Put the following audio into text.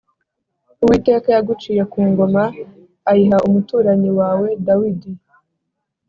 uwiteka yaguciye ku ngoma ayiha umuturanyi wawe dawidi